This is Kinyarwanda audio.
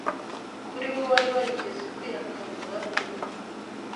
Kuri we wari warigeze kwihakana Umwami we